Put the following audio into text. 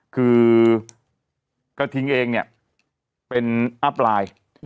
คือกระทิงเองเนี่ยเป็นอัพไลน์